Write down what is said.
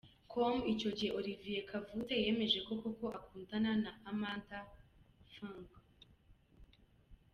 com, icyo gihe, Olivier Kavutse yemeje ko koko akundana na Amanda Fung.